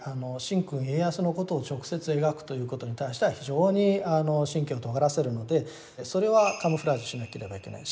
神君家康のことを直接描くということに対しては非常に神経をとがらせるのでそれはカムフラージュしなければいけない。